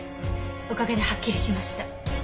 おかげではっきりしました。